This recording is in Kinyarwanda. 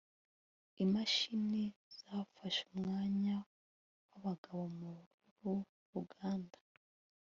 imashini zafashe umwanya wabagabo mururu ruganda